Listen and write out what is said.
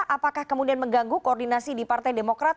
apakah kemudian mengganggu koordinasi di partai demokrat